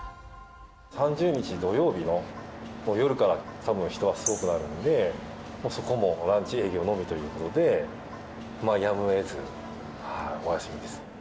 ３０日土曜日の夜からたぶん人がすごくなるので、もうそこもランチ営業のみということで、やむをえずお休みです。